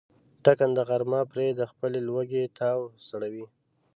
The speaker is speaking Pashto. ټکنده غرمه پرې د خپلې لوږې تاو سړوي.